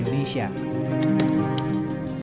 demikian siapa yang di ajarkan